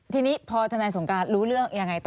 ทีนี้พอทนายสงการรู้เรื่องยังไงต่อ